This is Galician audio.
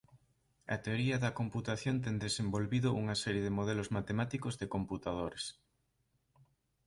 A teoría da computación ten desenvolvido unha serie de modelos matemáticos de computadores.